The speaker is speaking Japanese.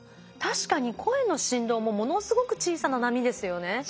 確かに声の振動もものすごく小さな波ですよね。